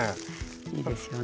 いいですよね。